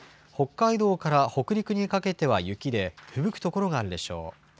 北海道から北陸にかけては雪でふぶく所があるでしょう。